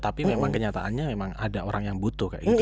tapi memang kenyataannya memang ada orang yang butuh kayak gitu